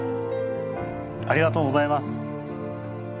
ありがとうございます。